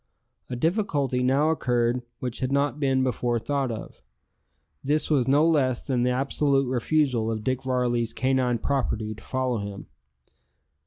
A difficulty now occurred which had not before been thought of. This was no less than the absolute refusal of Dick Varley's canine property to follow him.